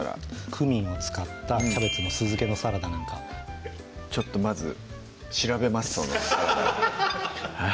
クミンを使ったキャベツの酢漬けのサラダなんかちょっとまず調べます